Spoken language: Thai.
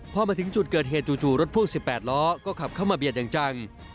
พอมาถึงจุดเกิดเหตุจู่รถพ่วง๑๘ล้อก็ขับเข้ามาเบียดอย่างจัง